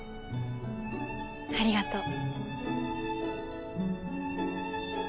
ありがとう。